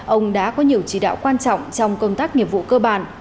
ông đã có nhiều chỉ đạo quan trọng trong công tác nghiệp vụ cơ bản